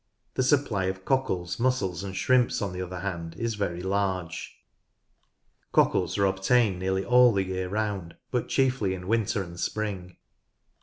The supply of cockles, mussels, and shrimps on the other hand is very large. Cockles are obtained nearly all the year round, but chiefly in winter and spring.